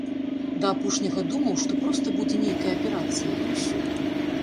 Да апошняга думаў, што проста будзе нейкая аперацыя, і ўсё.